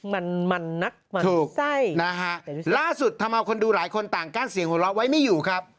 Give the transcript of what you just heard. มันมันนักมันถูกใช่นะฮะล่าสุดทำเอาคนดูหลายคนต่างกั้นเสียงหัวเราะไว้ไม่อยู่ครับ